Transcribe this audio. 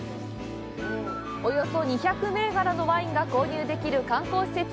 およそ２００銘柄のワインが購入できる観光施設。